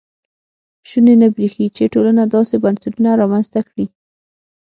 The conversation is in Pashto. شونې نه برېښي چې ټولنه داسې بنسټونه رامنځته کړي.